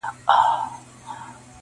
o مرور سهار به خامخا ستنېږي,